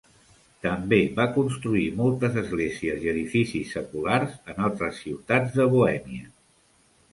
També va construir moltes esglésies i edificis seculars en altres ciutats de Bohèmia.